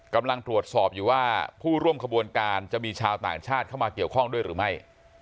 กำลังตรวจสอบอยู่ว่าผู้ร่วมขบวนการจะมีชาวต่างชาติเข้ามาเกี่ยวข้องด้วยหรือไม่